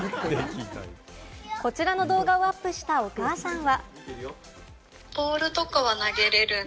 こちらの動画をアップしたお母さんは。